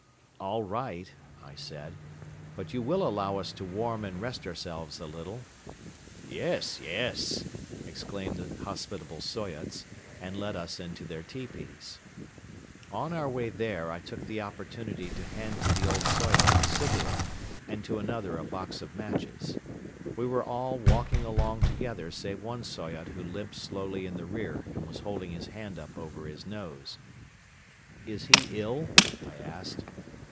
"All right," I said, "but you will allow us to warm and rest ourselves a little." "Yes, yes!" exclaimed the hospitable Soyots, and led us into their tepees. On our way there I took the opportunity to hand to the old Soyot a cigarette and to another a box of matches. We were all walking along together save one Soyot who limped slowly in the rear and was holding his hand up over his nose. "Is he ill?" I asked.